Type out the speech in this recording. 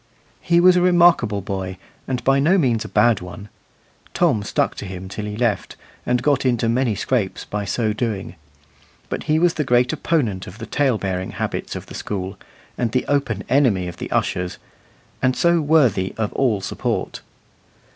He was a remarkable boy, and by no means a bad one. Tom stuck to him till he left, and got into many scrapes by so doing. But he was the great opponent of the tale bearing habits of the school, and the open enemy of the ushers; and so worthy of all support.